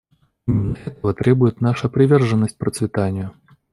Именно этого требует наша приверженность процветанию.